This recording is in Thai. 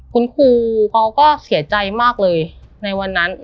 คุณครูเขาก็เสียใจมากเลยในวันนั้น